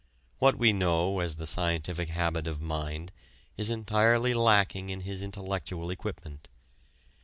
What we know as the scientific habit of mind is entirely lacking in his intellectual equipment.